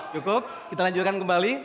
cukup kita lanjutkan kembali